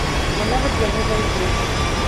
Я нават яму зайздрошчу!